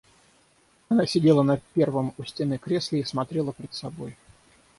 Она сидела на первом у стены кресле и смотрела пред собой.